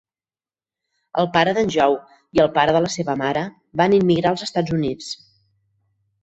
El pare de"n Joe i el pare de la seva mare van immigrar als Estats Units.